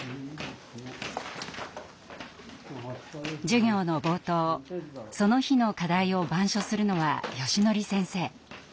授業の冒頭その日の課題を板書するのはよしのり先生。